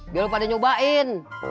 biar lu pada nyobain